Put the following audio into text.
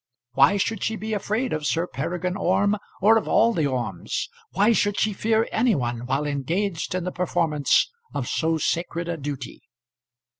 Why should she be afraid of Sir Peregrine Orme or of all the Ormes? Why should she fear any one while engaged in the performance of so sacred a duty?